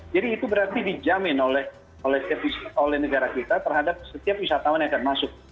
jadi itu berarti dijamin oleh negara kita terhadap setiap wisatawan yang akan masuk